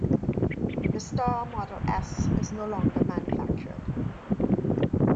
The Star Model S is no longer manufactured.